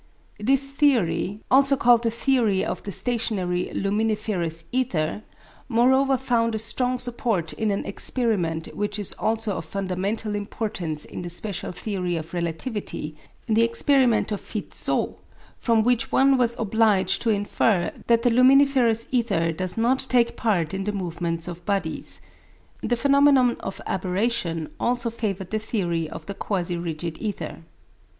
This theory also called the theory of the stationary luminiferous ether moreover found a strong support in an experiment which is also of fundamental importance in the special theory of relativity, the experiment of Fizeau, from which one was obliged to infer that the luminiferous ether does not take part in the movements of bodies. The phenomenon of aberration also favoured the theory of the quasi rigid ether.